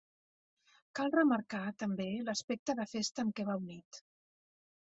Cal remarcar, també, l’aspecte de festa amb què va unit.